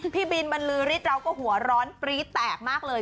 พี่บินบรรลือฤทธิ์เราก็หัวร้อนปรี๊ดแตกมากเลย